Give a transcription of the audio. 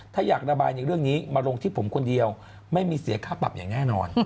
ถ้าอยากระบายในเรื่องนี้มาลงที่ผมคนเดียวไม่มีเสียค่าปรับอย่างแน่นอน